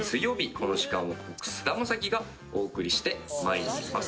この時間は僕菅田将暉がお送りして参ります。